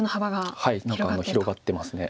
はい広がってます。